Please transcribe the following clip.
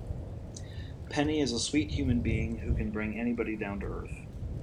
Penny is a sweet human being who can bring anybody down to earth.